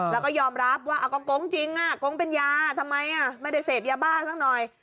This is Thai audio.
แล้วก็ยอมรับว่าเอาก็โก๊งจริงโก๊งเป็นยาทำไมไม่ได้เสพยาบ้าสักหน่อย